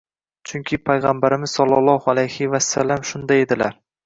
Chunki Payg‘ambarimiz sollallohu alayhi vasallam shunday edilar